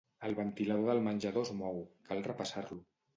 El ventilador del menjador es mou, cal repassar-lo